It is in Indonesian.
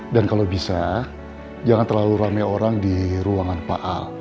dan kalau bisa jangan terlalu ramai orang di ruangan pak al